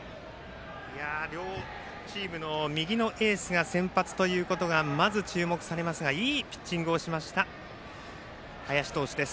両チームの右のエースが先発ということが注目されますがいいピッチングをしました林投手。